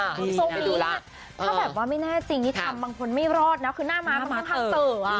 ถ้าแบบว่าไม่แน่จริงนี่ทำบางคนไม่รอดนะคือหน้าม้าควรต้องทำเซอร์